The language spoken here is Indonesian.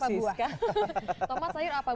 tomat sayur apa buah